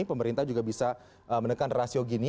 pemerintah juga bisa menekan rasio gini